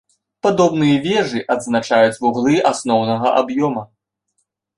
Падобныя вежы адзначаюць вуглы асноўнага аб'ёма.